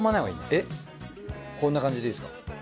えっこんな感じでいいですか？